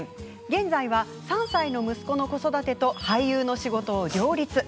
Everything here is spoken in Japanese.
現在は３歳の息子の子育てと俳優の仕事を両立。